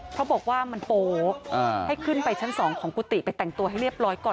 เพราะบอกว่ามันโป๊ให้ขึ้นไปชั้น๒ของกุฏิไปแต่งตัวให้เรียบร้อยก่อน